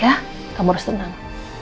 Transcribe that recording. ya kamu harus tenang